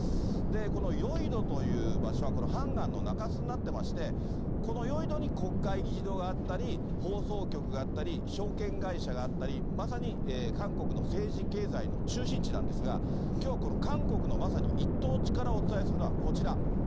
このヨイドという場所は、このハンガンのなかすになってまして、このヨイドに国会議事堂があったり放送局があったり、証券会社があったり、まさに韓国の政治、経済の中心地なんですが、きょうはこの韓国のまさに一等地からお伝えするのはこちら。